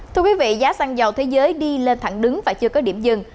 thưa quý vị giá xăng dầu thế giới đi lên thẳng đứng và chưa có điểm dừng